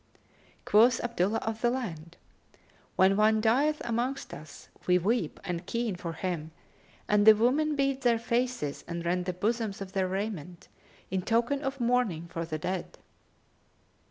Quoth Abdullah of the Land, "When one dieth amongst us, we weep and keen for him and the women beat their faces and rend the bosoms of their raiment, in token of mourning for the dead."